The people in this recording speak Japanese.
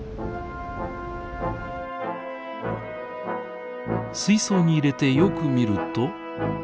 水槽に入れてよく見ると。